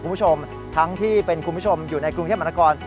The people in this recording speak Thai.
คุณผู้ชมทั้งที่เป็นคุณผู้ชมอยู่ในกรุงเทพมหานคร